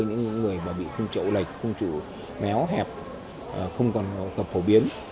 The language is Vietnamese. với những người mà bị không trậu lệch không trậu méo hẹp không còn gặp phổ biến